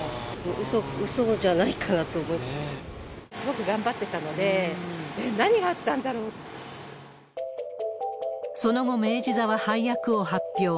いやぁ、すごく頑張ってたので、その後、明治座は配役を発表。